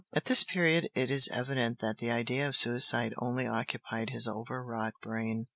At this period it is evident that the idea of suicide only occupied his overwrought brain.